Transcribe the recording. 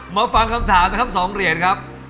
ฟังคำถามนะครับ๒เหรียญครับ